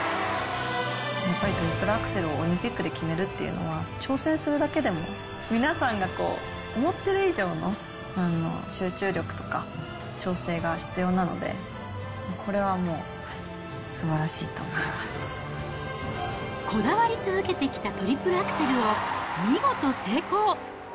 やっぱりトリプルアクセルをオリンピックで決めるっていうのは、挑戦するだけでも、皆さんが、こう、思っている以上の集中力とか、調整が必要なので、これはもう、はこだわり続けてきたトリプルアクセルを見事成功。